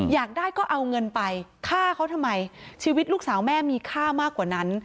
อยากได้ก็เอาเงินไปฆ่าเขาทำไมชีวิตลูกสาวแม่มีค่ามากกว่านั้น